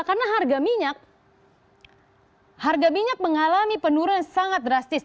karena harga minyak mengalami penurunan yang sangat drastis